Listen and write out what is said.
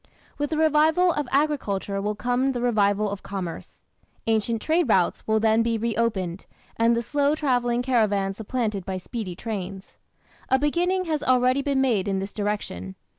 With the revival of agriculture will come the revival of commerce. Ancient trade routes will then be reopened, and the slow travelling caravans supplanted by speedy trains. A beginning has already been made in this direction.